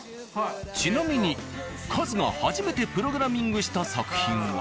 ちなみにカズが初めてプログラミングした作品は。